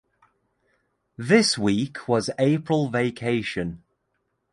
This week was April Vacation.